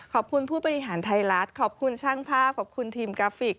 ขอบคุณผู้เปรียนฮรรณไทยรัทฯขอบคุณช่างภาพขอบคุณทีมกราฟิก